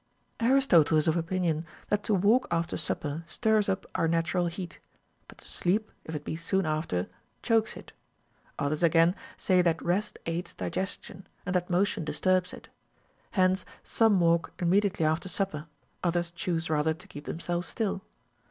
21. Aristotle is of opinion that to walk after supper stirs up our natural heat ; but to sleep, if it be soon after, chokes it. Others again say that rest aids digestion, and that mo tion disturbs it. Hence some walk immediately after supper ; others choose rather to keep themselves still.